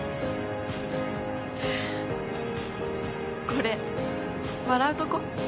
これ、笑うとこ？